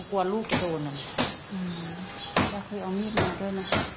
เขาให้ข้อมูลกับคุณะ